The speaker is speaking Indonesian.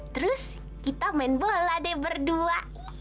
terus kita main bola deh berdua